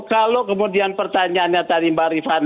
kalau kemudian pertanyaannya tadi mbak rifana